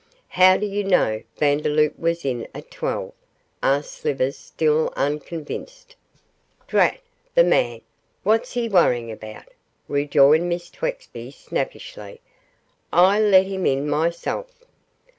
'How do you know Vandeloup was in at twelve?' asked Slivers, still unconvinced. 'Drat the man, what's he worryin' about?' rejoined Miss Twexby, snappishly; 'I let him in myself.